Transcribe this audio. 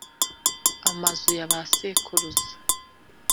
amazu ya ba sekuruza